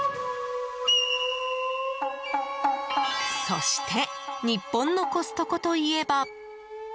そして日本のコストコといえば。